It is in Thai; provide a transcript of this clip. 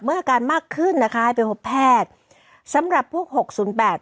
อาการมากขึ้นนะคะให้ไปพบแพทย์สำหรับพวกหกศูนย์แปด